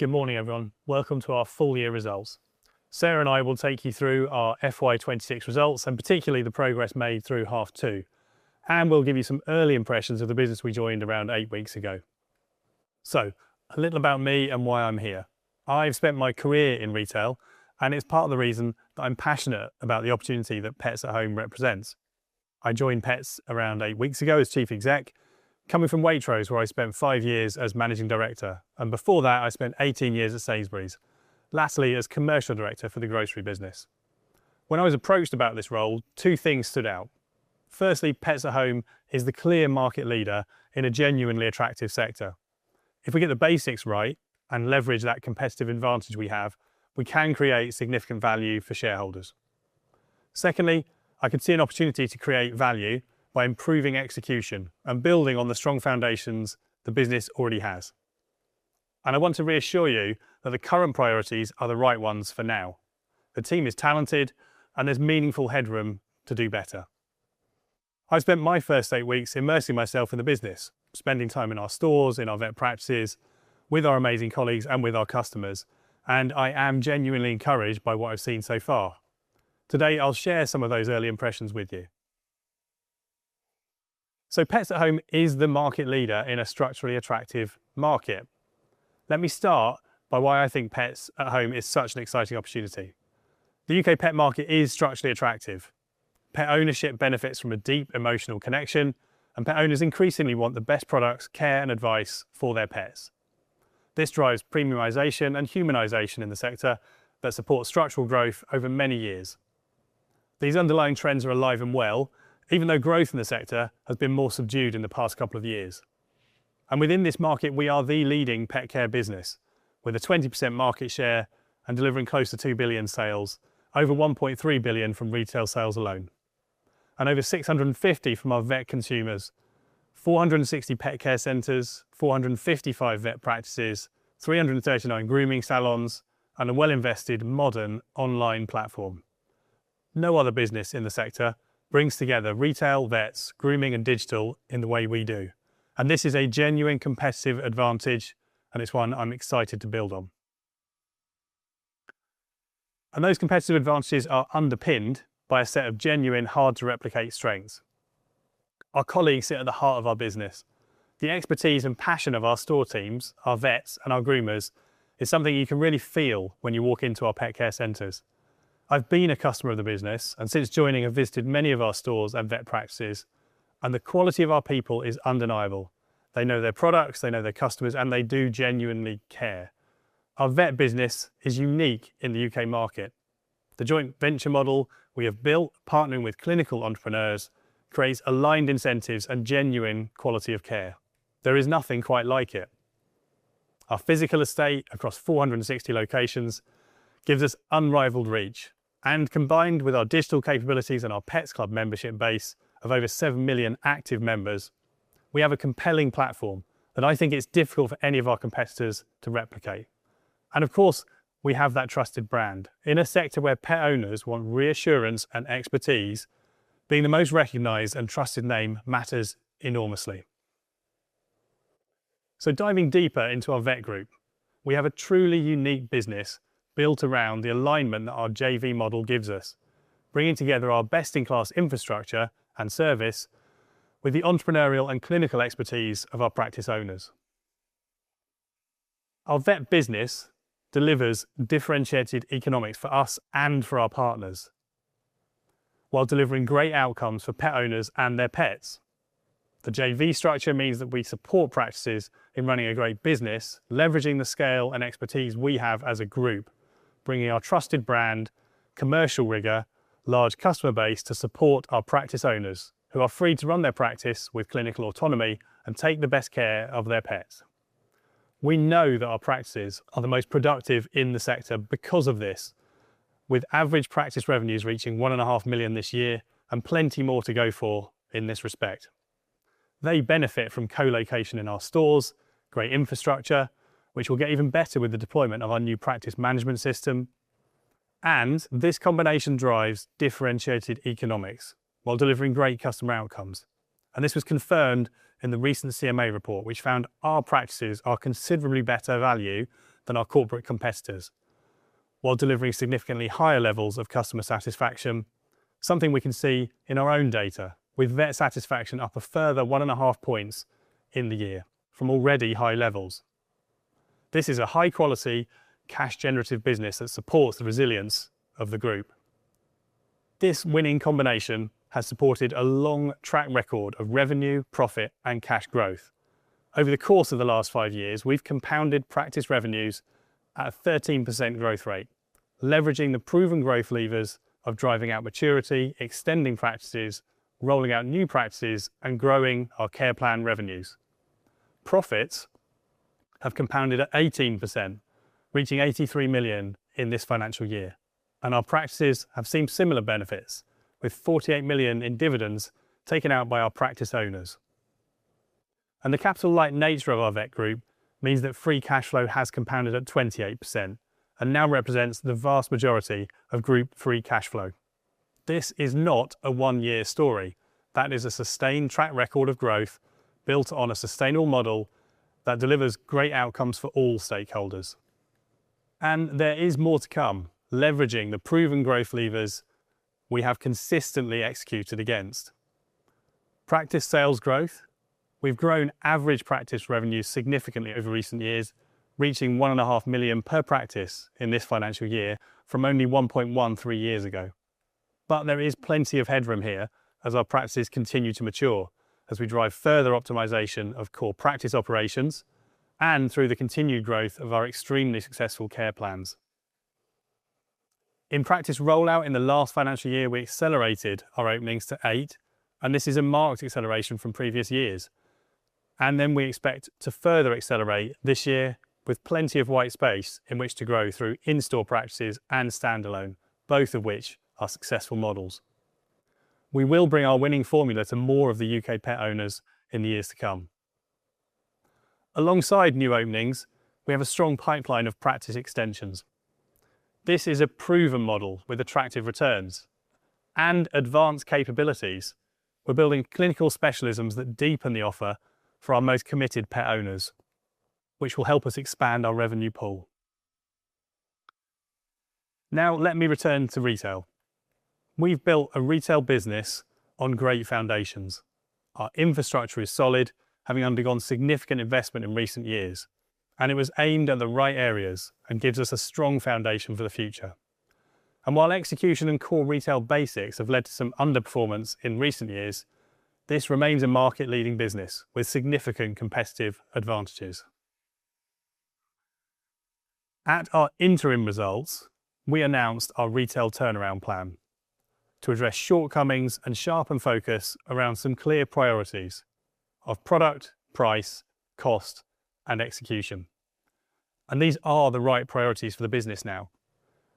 Good morning, everyone. Welcome to our full-year results. Sarah and I will take you through our FY 2026 results and particularly the progress made through half two. We'll give you some early impressions of the business we joined around eight weeks ago. A little about me and why I'm here. I have spent my career in retail, and it's part of the reason that I'm passionate about the opportunity that Pets at Home represents. I joined Pets around eight weeks ago as Chief Exec, coming from Waitrose, where I spent five years as Managing Director, and before that I spent 18 years at Sainsbury's, lastly as Commercial Director for the grocery business. When I was approached about this role, two things stood out. Firstly, Pets at Home is the clear market leader in a genuinely attractive sector. If we get the basics right and leverage that competitive advantage we have, we can create significant value for shareholders. I can see an opportunity to create value by improving execution and building on the strong foundations the business already has. I want to reassure you that the current priorities are the right ones for now. The team is talented and there's meaningful headroom to do better. I spent my first eight weeks immersing myself in the business, spending time in our stores, in our vet practices, with our amazing colleagues, and with our customers. I am genuinely encouraged by what I've seen so far. Today, I'll share some of those early impressions with you. Pets at Home is the market leader in a structurally attractive market. Let me start by why I think Pets at Home is such an exciting opportunity. The U.K. pet market is structurally attractive. Pet ownership benefits from a deep emotional connection, and pet owners increasingly want the best products, care, and advice for their pets. This drives premiumization and humanization in the sector that support structural growth over many years. These underlying trends are alive and well, even though growth in the sector has been more subdued in the past couple of years. Within this market, we are the leading pet care business with a 20% market share and delivering close to 2 billion sales, over 1.3 billion from retail sales alone and over 650 from our vet consumers. 460 Pet Care Centers, 455 vet practices, 339 grooming salons, and a well-invested modern online platform. No other business in the sector brings together retail, vets, grooming, and digital in the way we do, and this is a genuine competitive advantage, and it's one I'm excited to build on. Those competitive advantages are underpinned by a set of genuine, hard-to-replicate strengths. Our colleagues sit at the heart of our business. The expertise and passion of our store teams, our vets, and our groomers is something you can really feel when you walk into our Pet Care Centres. I've been a customer of the business, and since joining I've visited many of our stores and vet practices, and the quality of our people is undeniable. They know their products, they know their customers, and they do genuinely care. Our vet business is unique in the U.K. market. The joint venture model we have built, partnering with clinical entrepreneurs, creates aligned incentives and genuine quality of care. There is nothing quite like it. Our physical estate across 460 locations gives us unrivaled reach and combined with our digital capabilities and our Pets Club membership base of over 7 million active members, we have a compelling platform that I think is difficult for any of our competitors to replicate. Of course, we have that trusted brand. In a sector where pet owners want reassurance and expertise, being the most recognized and trusted name matters enormously. Diving deeper into our vet group, we have a truly unique business built around the alignment that our JV model gives us, bringing together our best-in-class infrastructure and service with the entrepreneurial and clinical expertise of our practice owners. Our vet business delivers differentiated economics for us and for our partners while delivering great outcomes for pet owners and their pets. The JV structure means that we support practices in running a great business, leveraging the scale and expertise we have as a group, bringing our trusted brand, commercial rigor, large customer base to support our practice owners who are free to run their practice with clinical autonomy and take the best care of their pets. We know that our practices are the most productive in the sector because of this, with average practice revenues reaching one and a half million this year and plenty more to go for in this respect. They benefit from co-location in our stores, great infrastructure, which will get even better with the deployment of our new practice management system, and this combination drives differentiated economics while delivering great customer outcomes. This was confirmed in the recent CMA report, which found our practices are considerably better value than our corporate competitors while delivering significantly higher levels of customer satisfaction, something we can see in our own data with vet satisfaction up a further one and a half points in the year from already high levels. This is a high-quality, cash-generative business that supports the resilience of the group. This winning combination has supported a long track record of revenue, profit, and cash growth. Over the course of the last five years, we've compounded practice revenues at a 13% growth rate, leveraging the proven growth levers of driving out maturity, extending practices, rolling out new practices, and growing our care plan revenues. Profits have compounded at 18%, reaching 83 million in this financial year. Our practices have seen similar benefits with 48 million in dividends taken out by our practice owners. The capital light nature of our vet group means that free cash flow has compounded at 28% and now represents the vast majority of group free cash flow. This is not a one-year story. That is a sustained track record of growth built on a sustainable model that delivers great outcomes for all stakeholders. There is more to come, leveraging the proven growth levers we have consistently executed against. Practice sales growth. We've grown average practice revenue significantly over recent years, reaching 1.5 million per practice in this financial year from only 1.1 million three years ago. There is plenty of headroom here as our practices continue to mature, as we drive further optimization of core practice operations and through the continued growth of our extremely successful care plans. In practice rollout in the last financial year, we accelerated our openings to eight, and this is a marked acceleration from previous years. We expect to further accelerate this year with plenty of white space in which to grow through in-store practices and standalone, both of which are successful models. We will bring our winning formula to more of the U.K. pet owners in the years to come. Alongside new openings, we have a strong pipeline of practice extensions. This is a proven model with attractive returns and advanced capabilities. We're building clinical specialisms that deepen the offer for our most committed pet owners, which will help us expand our revenue pool. Let me return to retail. We've built a retail business on great foundations. Our infrastructure is solid, having undergone significant investment in recent years. It was aimed at the right areas and gives us a strong foundation for the future. While execution and core retail basics have led to some underperformance in recent years, this remains a market-leading business with significant competitive advantages. At our interim results, we announced our Retail Turnaround Plan to address shortcomings and sharpen focus around some clear priorities of Product, Price, Cost, and Execution. These are the right priorities for the business now.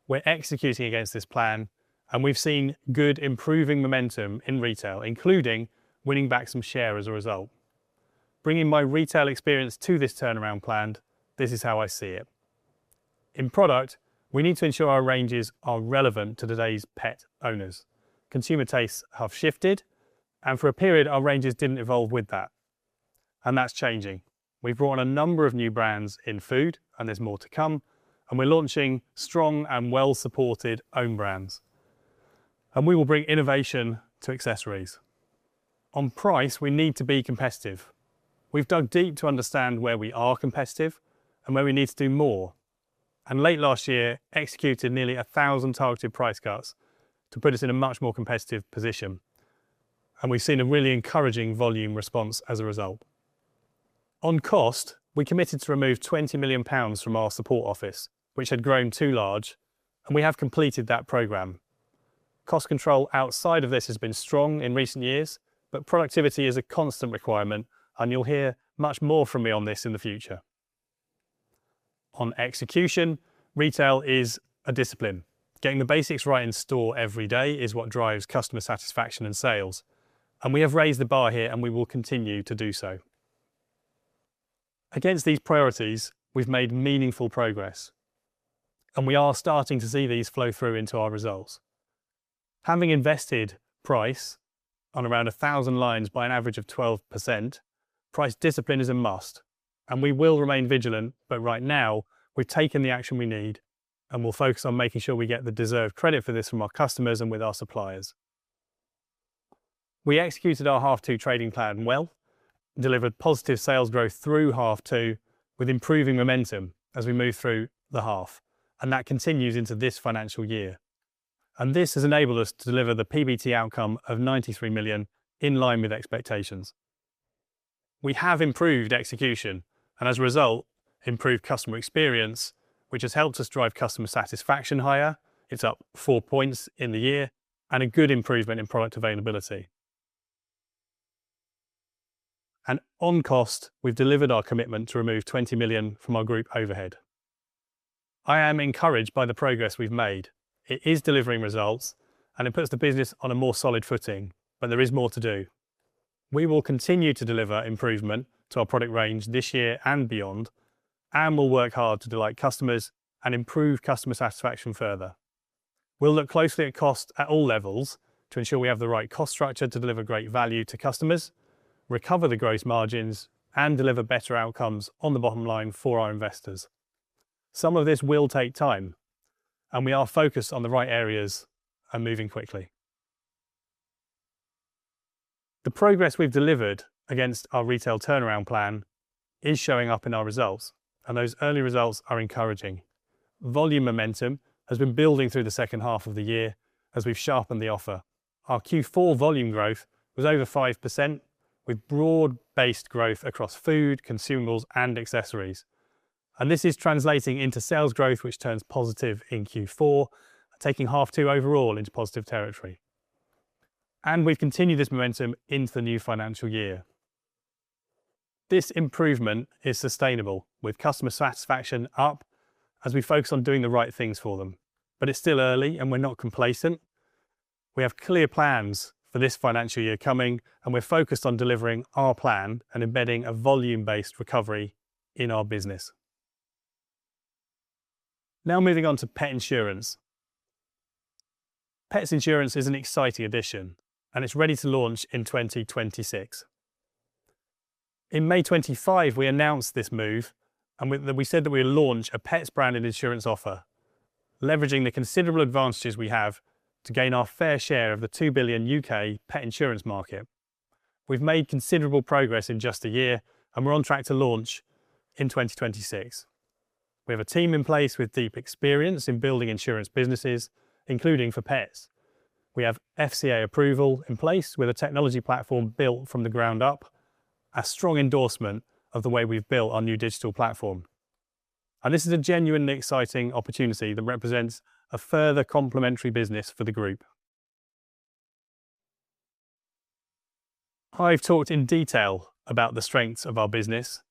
We're executing against this plan, and we've seen good improving momentum in retail, including winning back some share as a result. Bringing my retail experience to this Retail Turnaround Plan, this is how I see it. In product, we need to ensure our ranges are relevant to today's pet owners. Consumer tastes have shifted. For a period, our ranges didn't evolve with that. That's changing. We've brought on a number of new brands in food. There's more to come, and we're launching strong and well-supported own brands. We will bring innovation to accessories. On price, we need to be competitive. We've dug deep to understand where we are competitive and where we need to do more. Late last year executed nearly 1,000 targeted price cuts to put us in a much more competitive position. We've seen a really encouraging volume response as a result. On cost, we committed to remove 20 million pounds from our support office, which had grown too large. We have completed that program. Cost control outside of this has been strong in recent years, but productivity is a constant requirement, and you'll hear much more from me on this in the future. On execution, retail is a discipline. Getting the basics right in store every day is what drives customer satisfaction and sales. We have raised the bar here, and we will continue to do so. Against these priorities, we've made meaningful progress. We are starting to see these flow through into our results. Having invested price on around 1,000 lines by an average of 12%, price discipline is a must, and we will remain vigilant. Right now, we've taken the action we need and will focus on making sure we get the deserved credit for this from our customers and with our suppliers. We executed our half two trading plan well, delivered positive sales growth through half two with improving momentum as we move through the half. That continues into this financial year. This has enabled us to deliver the PBT outcome of 93 million in line with expectations. We have improved execution, and as a result, improved customer experience, which has helped us drive customer satisfaction higher. It's up four points in the year and a good improvement in product availability. On cost, we've delivered our commitment to remove 20 million from our group overhead. I am encouraged by the progress we've made. It is delivering results, and it puts the business on a more solid footing. There is more to do. We will continue to deliver improvement to our product range this year and beyond, and we'll work hard to delight customers and improve customer satisfaction further. We'll look closely at cost at all levels to ensure we have the right cost structure to deliver great value to customers, recover the gross margins, and deliver better outcomes on the bottom line for our investors. Some of this will take time. We are focused on the right areas and moving quickly. The progress we've delivered against our retail turnaround plan is showing up in our results. Those early results are encouraging. Volume momentum has been building through the second half of the year as we've sharpened the offer. Our Q4 volume growth was over 5%, with broad-based growth across food, consumables, and accessories. This is translating into sales growth, which turns positive in Q4, taking half two overall into positive territory. We've continued this momentum into the new financial year. This improvement is sustainable, with customer satisfaction up as we focus on doing the right things for them. It's still early, and we're not complacent. We have clear plans for this financial year coming, and we're focused on delivering our plan and embedding a volume-based recovery in our business. Moving on to pet insurance. Pets insurance is an exciting addition, and it's ready to launch in 2026. In May 2025, we announced this move, and we said that we'd launch a Pets branded insurance offer, leveraging the considerable advantages we have to gain our fair share of the 2 billion U.K. pet insurance market. We've made considerable progress in just a year, and we're on track to launch in 2026. We have a team in place with deep experience in building insurance businesses, including for Pets. We have FCA approval in place with a technology platform built from the ground up, a strong endorsement of the way we've built our new digital platform. This is a genuinely exciting opportunity that represents a further complementary business for the group. I've talked in detail about the strengths of our business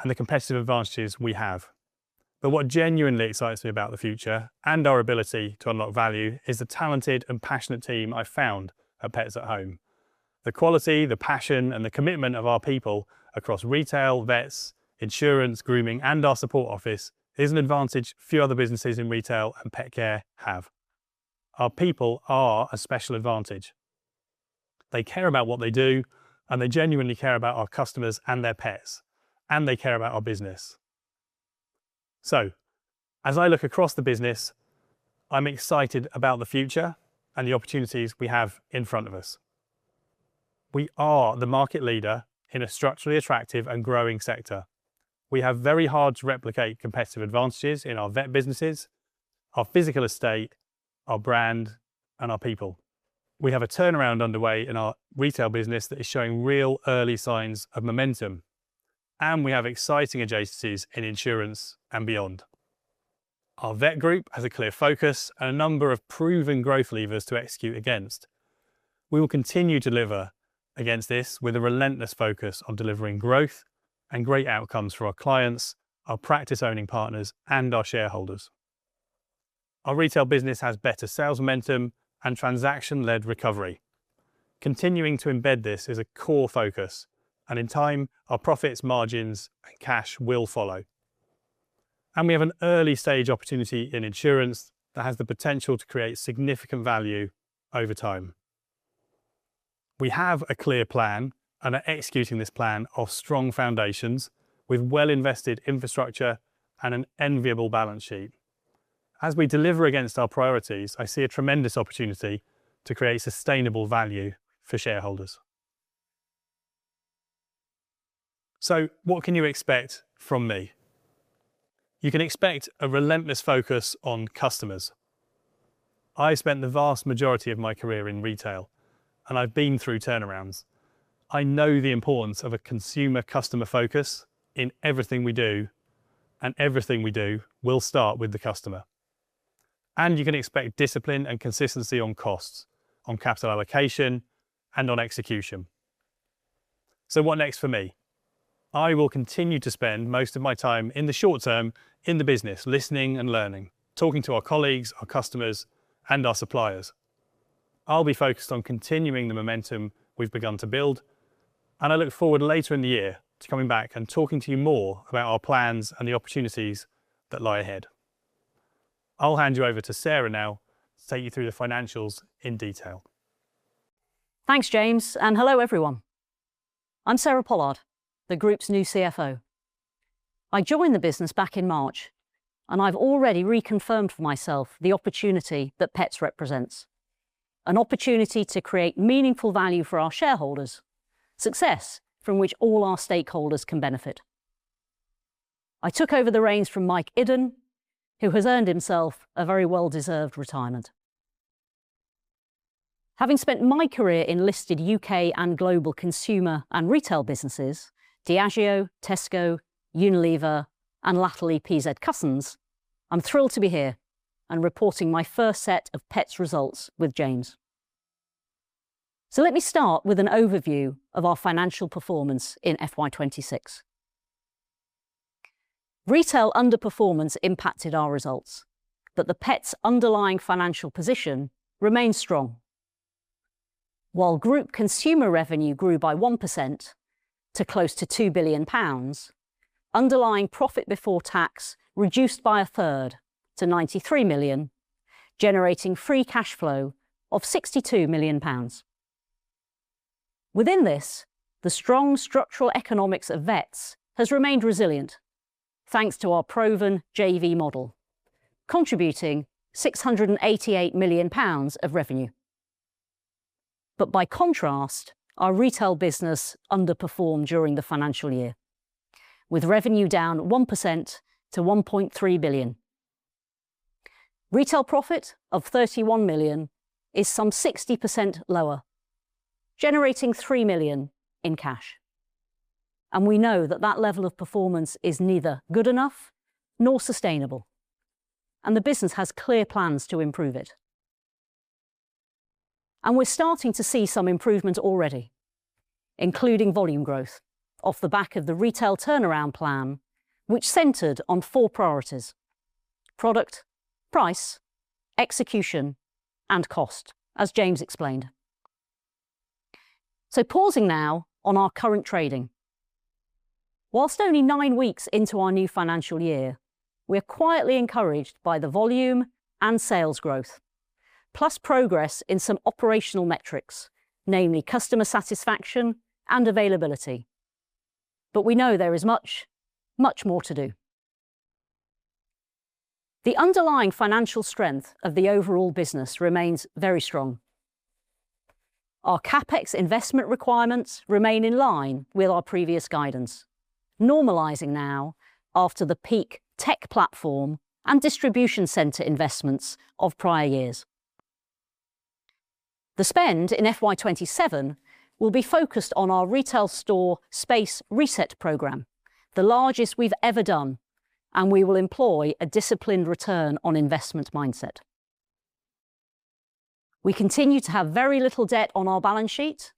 and the competitive advantages we have. What genuinely excites me about the future and our ability to unlock value is the talented and passionate team I found at Pets at Home. The quality, the passion, and the commitment of our people across retail, vets, insurance, grooming, and our support office is an advantage few other businesses in retail and pet care have. Our people are a special advantage. They care about what they do, and they genuinely care about our customers and their pets, and they care about our business. As I look across the business, I'm excited about the future and the opportunities we have in front of us. We are the market leader in a structurally attractive and growing sector. We have very hard-to-replicate competitive advantages in our vet businesses, our physical estate, our brand, and our people. We have a turnaround underway in our retail business that is showing real early signs of momentum, and we have exciting adjacencies in insurance and beyond. Our vet group has a clear focus and a number of proven growth levers to execute against. We will continue to deliver against this with a relentless focus on delivering growth and great outcomes for our clients, our practice-owning partners, and our shareholders. Our retail business has better sales momentum and transaction-led recovery. Continuing to embed this is a core focus, and in time, our profits, margins, and cash will follow. We have an early-stage opportunity in insurance that has the potential to create significant value over time. We have a clear plan and are executing this plan off strong foundations with well-invested infrastructure and an enviable balance sheet. As we deliver against our priorities, I see a tremendous opportunity to create sustainable value for shareholders. What can you expect from me? You can expect a relentless focus on customers. I spent the vast majority of my career in retail, and I've been through turnarounds. I know the importance of a consumer/customer focus in everything we do, and everything we do will start with the customer. You can expect discipline and consistency on costs, on capital allocation, and on execution. What next for me? I will continue to spend most of my time in the short term in the business, listening and learning, talking to our colleagues, our customers, and our suppliers. I will be focused on continuing the momentum we have begun to build, and I look forward later in the year to coming back and talking to you more about our plans and the opportunities that lie ahead. I will hand you over to Sarah now to take you through the financials in detail. Thanks, James, and hello, everyone. I'm Sarah Pollard, the group's new CFO. I joined the business back in March, and I've already reconfirmed for myself the opportunity that Pets represents, an opportunity to create meaningful value for our shareholders, success from which all our stakeholders can benefit. I took over the reins from Mike Iddon, who has earned himself a very well-deserved retirement. Having spent my career in listed U.K. and global consumer and retail businesses, Diageo, Tesco, Unilever, and latterly, PZ Cussons, I'm thrilled to be here and reporting my first set of Pets results with James. Let me start with an overview of our financial performance in FY 2026. Retail underperformance impacted our results, but the Pets underlying financial position remains strong. While group consumer revenue grew by 1% to close to 2 billion pounds, underlying profit before tax reduced by a third to 93 million, generating free cash flow of 62 million pounds. Within this, the strong structural economics of vets has remained resilient, thanks to our proven JV model, contributing 688 million pounds of revenue. By contrast, our retail business underperformed during the financial year, with revenue down 1% to 1.3 billion. Retail profit of 31 million is some 60% lower, generating 3 million in cash. We know that that level of performance is neither good enough nor sustainable, and the business has clear plans to improve it. We're starting to see some improvement already, including volume growth off the back of the retail turnaround plan, which centered on four priorities, product, price, execution, and cost, as James explained. Pausing now on our current trading. Whilst only nine weeks into our new financial year, we are quietly encouraged by the volume and sales growth, plus progress in some operational metrics, namely customer satisfaction and availability. We know there is much, much more to do. The underlying financial strength of the overall business remains very strong. Our CapEx investment requirements remain in line with our previous guidance, normalizing now after the peak tech platform and distribution center investments of prior years. The spend in FY 2027 will be focused on our retail store space reset program, the largest we've ever done, and we will employ a disciplined return on investment mindset. We continue to have very little debt on our balance sheet,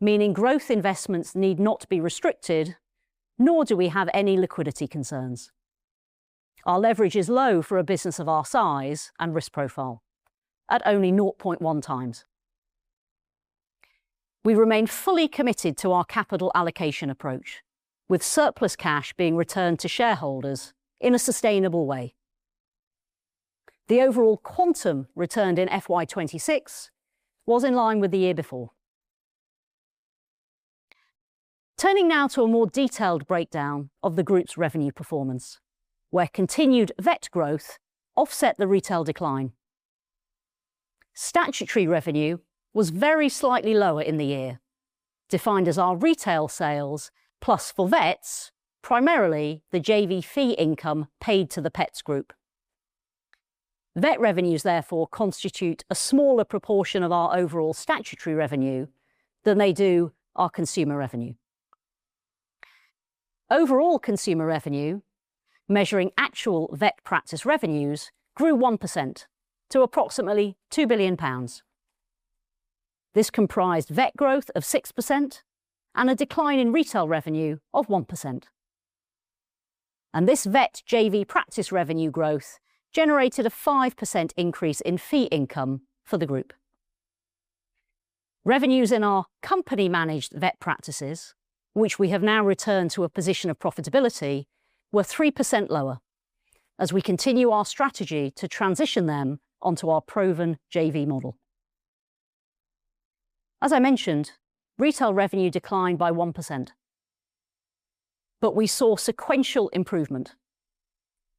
meaning growth investments need not be restricted, nor do we have any liquidity concerns. Our leverage is low for a business of our size and risk profile at only 0.1 times. We remain fully committed to our capital allocation approach, with surplus cash being returned to shareholders in a sustainable way. The overall quantum returned in FY 2026 was in line with the year before. Turning now to a more detailed breakdown of the group's revenue performance where continued vet growth offset the retail decline. Statutory revenue was very slightly lower in the year, defined as our retail sales plus for vets, primarily the JV fee income paid to the Pets at Home Group. Vet revenues therefore constitute a smaller proportion of our overall statutory revenue than they do our consumer revenue. Overall consumer revenue measuring actual vet practice revenues grew 1% to approximately 2 billion pounds. This comprised vet growth of 6% and a decline in retail revenue of 1%. This vet JV practice revenue growth generated a 5% increase in fee income for the group. Revenues in our company-managed vet practices, which we have now returned to a position of profitability, were 3% lower as we continue our strategy to transition them onto our proven JV model. As I mentioned, retail revenue declined by 1%, but we saw sequential improvement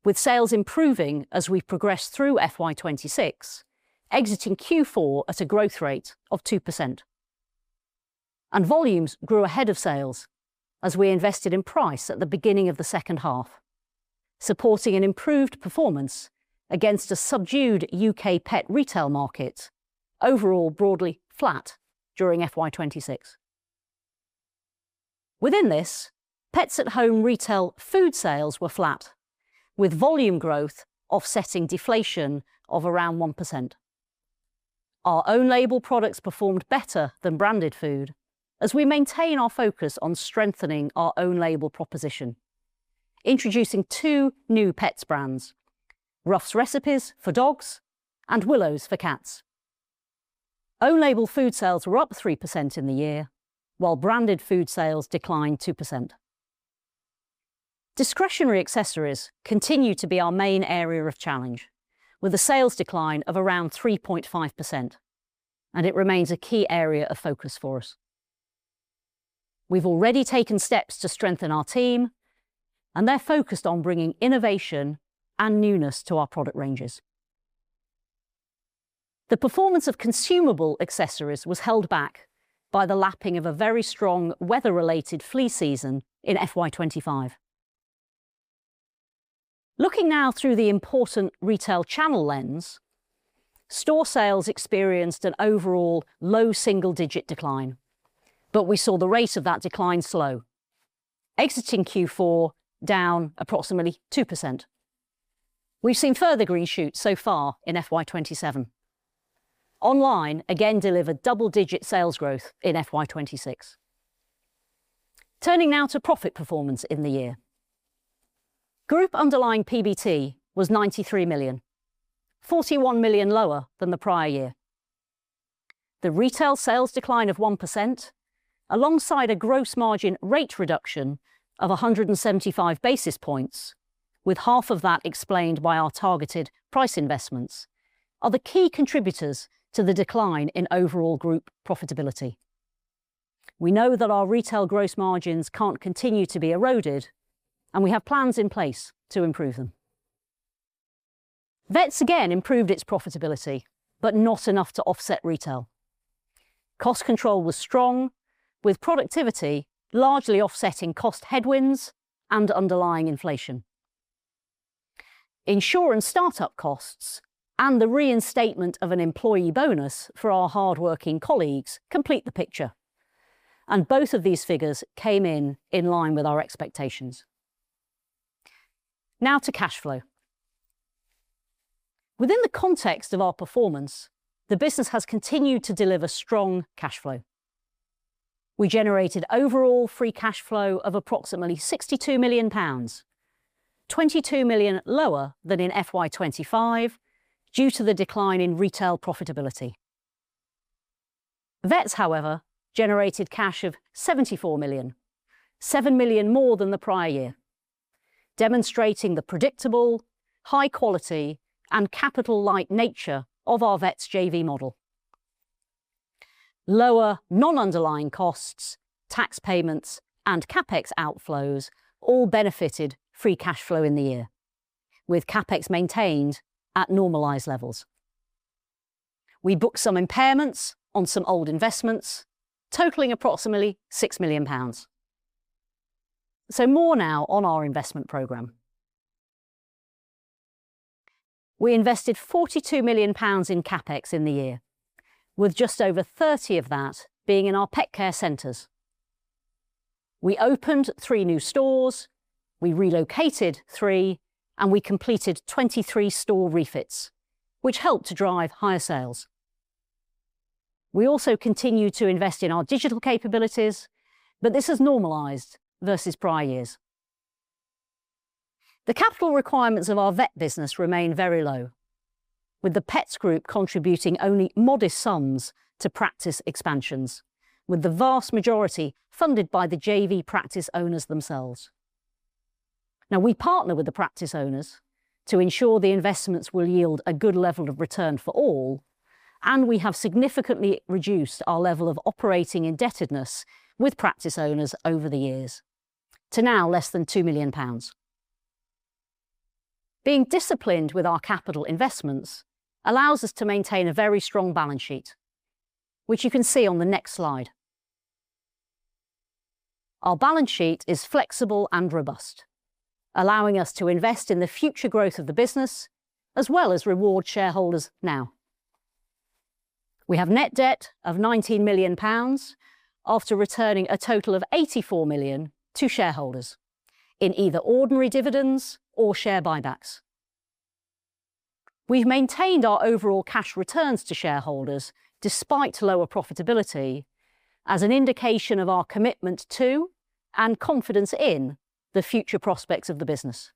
with sales improving as we progressed through FY 2026, exiting Q4 at a growth rate of 2%. Volumes grew ahead of sales as we invested in price at the beginning of the second half, supporting an improved performance against a subdued U.K. pet retail market overall broadly flat during FY 2026. Within this, Pets at Home retail food sales were flat with volume growth offsetting deflation of around 1%. Our own label products performed better than branded food as we maintain our focus on strengthening our own label proposition, introducing two new Pets brands, Ruff's Recipes for dogs and Willow's for cats. own label food sales were up 3% in the year while branded food sales declined 2%. Discretionary accessories continue to be our main area of challenge with a sales decline of around 3.5%, and it remains a key area of focus for us. We've already taken steps to strengthen our team, and they're focused on bringing innovation and newness to our product ranges. The performance of consumable accessories was held back by the lapping of a very strong weather related flea season in FY 2025. Looking now through the important retail channel lens, store sales experienced an overall low single-digit decline, but we saw the rate of that decline slow exiting Q4 down approximately 2%. We've seen further green shoots so far in FY 2027. Online again delivered double-digit sales growth in FY 2026. Turning now to profit performance in the year. Group underlying PBT was 93 million, 41 million lower than the prior year. The retail sales decline of 1% alongside a gross margin rate reduction of 175 basis points with half of that explained by our targeted price investments are the key contributors to the decline in overall group profitability. We know that our retail gross margins can't continue to be eroded, and we have plans in place to improve them. Vets again improved its profitability, but not enough to offset retail. Cost control was strong with productivity largely offsetting cost headwinds and underlying inflation. Insurance startup costs and the reinstatement of an employee bonus for our hardworking colleagues complete the picture, and both of these figures came in in line with our expectations. To cash flow. Within the context of our performance, the business has continued to deliver strong cash flow. We generated overall free cash flow of approximately 62 million pounds, 22 million lower than in FY 2025 due to the decline in retail profitability. Vets, however, generated cash of 74 million, 7 million more than the prior year, demonstrating the predictable, high quality, and capital light nature of our vets JV model. Lower non-underlying costs, tax payments, and CapEx outflows all benefited free cash flow in the year, with CapEx maintained at normalized levels. We booked some impairments on some old investments totaling approximately 6 million pounds. More now on our investment program. We invested 42 million pounds in CapEx in the year, with just over 30 million of that being in our Pet Care Centres. We opened three new stores, we relocated three, and we completed 23 store refits, which helped to drive higher sales. We also continue to invest in our digital capabilities, but this has normalized versus prior years. The capital requirements of our vet business remain very low, with the Pets at Home Group contributing only modest sums to practice expansions, with the vast majority funded by the JV practice owners themselves. We partner with the practice owners to ensure the investments will yield a good level of return for all, and we have significantly reduced our level of operating indebtedness with practice owners over the years to now less than 2 million pounds. Being disciplined with our capital investments allows us to maintain a very strong balance sheet, which you can see on the next slide. Our balance sheet is flexible and robust, allowing us to invest in the future growth of the business as well as reward shareholders now. We have net debt of 19 million pounds after returning a total of 84 million to shareholders in either ordinary dividends or share buybacks. We've maintained our overall cash returns to shareholders despite lower profitability as an indication of our commitment to and confidence in the future prospects of the business.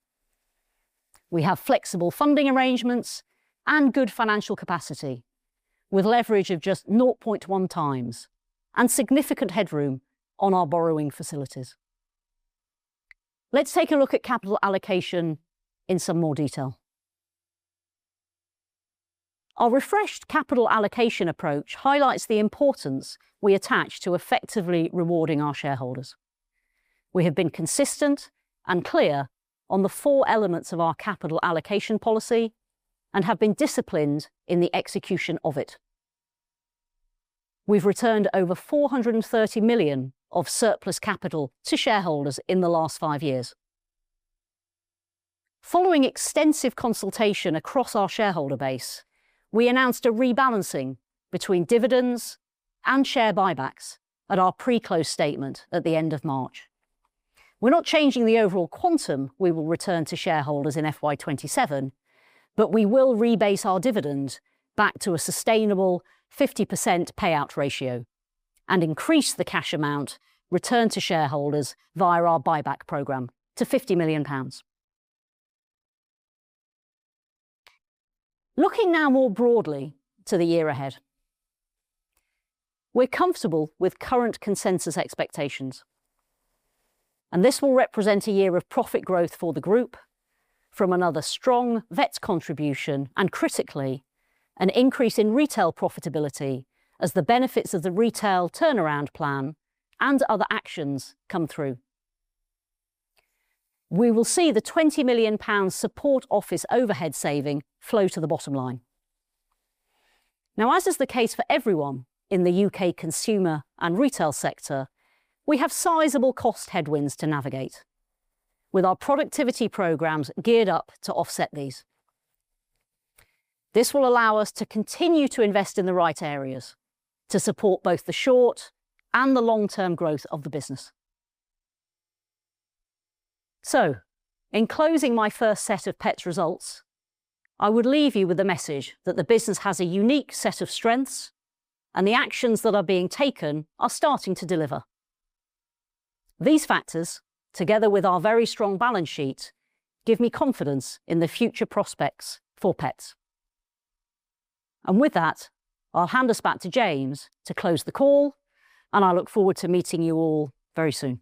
We have flexible funding arrangements and good financial capacity, with leverage of just 0.1x and significant headroom on our borrowing facilities. Let's take a look at capital allocation in some more detail. Our refreshed capital allocation approach highlights the importance we attach to effectively rewarding our shareholders. We have been consistent and clear on the four elements of our capital allocation policy and have been disciplined in the execution of it. We've returned over 430 million of surplus capital to shareholders in the last five years. Following extensive consultation across our shareholder base, we announced a rebalancing between dividends and share buybacks at our pre-close statement at the end of March. We're not changing the overall quantum we will return to shareholders in FY 2027, but we will rebase our dividend back to a sustainable 50% payout ratio and increase the cash amount returned to shareholders via our buyback program to 50 million pounds. Looking now more broadly to the year ahead, we're comfortable with current consensus expectations. This will represent a year of profit growth for the group from another strong vets contribution and critically, an increase in retail profitability as the benefits of the retail turnaround plan and other actions come through. We will see the 20 million pounds support office overhead saving flow to the bottom line. Now, as is the case for everyone in the U.K. consumer and retail sector, we have sizable cost headwinds to navigate with our productivity programs geared up to offset these. This will allow us to continue to invest in the right areas to support both the short and the long-term growth of the business. In closing my first set of Pets results, I would leave you with a message that the business has a unique set of strengths and the actions that are being taken are starting to deliver. These factors, together with our very strong balance sheet, give me confidence in the future prospects for Pets. With that, I'll hand us back to James to close the call and I look forward to meeting you all very soon.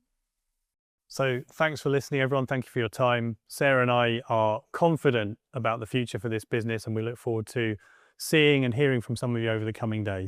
Thanks for listening, everyone. Thank you for your time. Sarah and I are confident about the future for this business, and we look forward to seeing and hearing from some of you over the coming days.